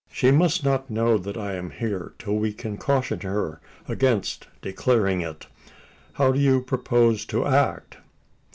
She must not know that I am here, till we can caution her against declaring it. How do you propose to act?"